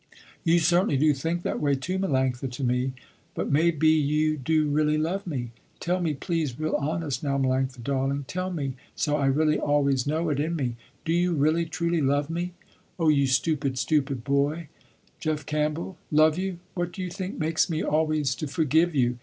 You certainly do think that way, too, Melanctha to me. But may be you do really love me. Tell me, please, real honest now Melanctha darling, tell me so I really always know it in me, do you really truly love me?" "Oh you stupid, stupid boy, Jeff Campbell. Love you, what do you think makes me always to forgive you.